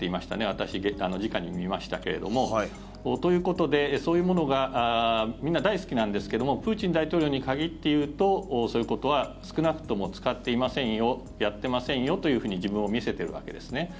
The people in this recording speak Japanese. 私、直に見ましたけれども。ということで、そういうものがみんな大好きなんですけどもプーチン大統領に限って言うとそういうことは少なくとも、使っていませんよやっていませんよというふうに自分を見せているわけですね。